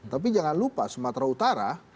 tapi jangan lupa sumatera utara